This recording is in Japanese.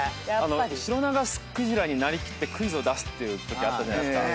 シロナガスクジラになり切ってクイズを出すっていうときあったじゃないですか。